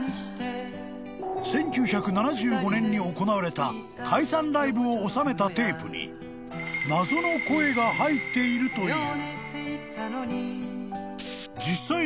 ［１９７５年に行われた解散ライブを収めたテープに謎の声が入っているという］